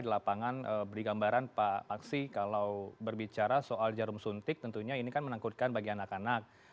di lapangan beri gambaran pak aksi kalau berbicara soal jarum suntik tentunya ini kan menakutkan bagi anak anak